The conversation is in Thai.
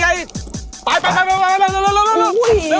เฮ่ยมีผักด้วย